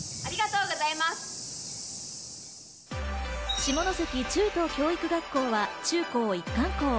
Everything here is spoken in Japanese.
下関中等教育学校は中高一貫校。